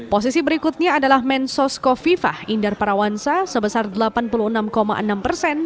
posisi berikutnya adalah mensos kofifah indar parawansa sebesar delapan puluh enam enam persen